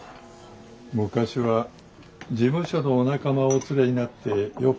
昔は事務所のお仲間をお連れになってよく。